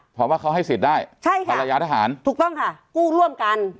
เพราะว่าเขาให้สิทธิ์ได้ใช่ค่ะภรรยาทหารถูกต้องค่ะกู้ร่วมกัน